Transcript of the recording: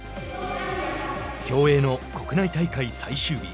競泳の国内大会最終日。